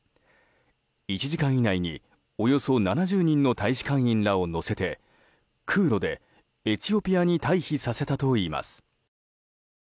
１時間以内に、およそ７０人の大使館員らを乗せて空路でエチオピアに退避させたといいます。